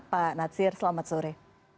pak natsir selamat sore